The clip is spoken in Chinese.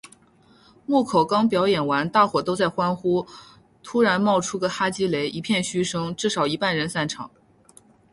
木口刚表演完大伙都在欢呼，突然冒出个哈基雷，一片嘘声，至少一半人散场